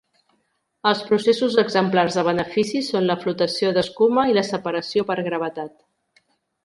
Els processos exemplars de benefici són la flotació d'escuma i la separació per gravetat.